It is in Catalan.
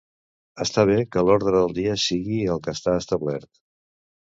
Està bé que l’ordre del dia sigui el que està establert.